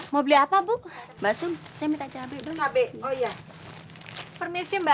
menjatuh dari banyak